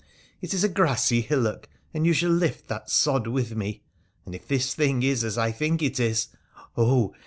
It is a grassy hillock, and you shall lift that sod with me, and, if this thing is as I think it is, oh